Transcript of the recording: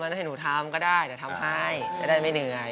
หายายไม่เจอแล้ว